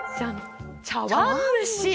茶わん蒸し。